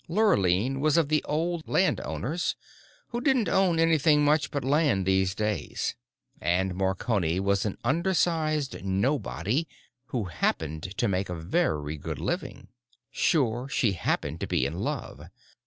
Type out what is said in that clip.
Lurline was of the Old Landowners, who didn't own anything much but land these days, and Marconi was an undersized nobody who happened to make a very good living. Sure she happened to be in love.